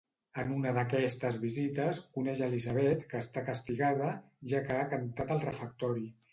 En una d'aquestes visites, coneix Elizabeth que està castigada, ja que ha cantat al refectori.